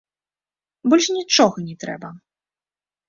Больш нічога не трэба.